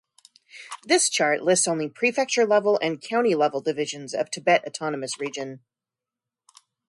This chart lists only prefecture-level and county-level divisions of Tibet Autonomous Region.